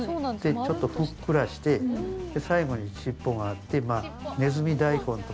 ちょっとふっくらして、最後に尻尾があって“ネズミ大根”とも。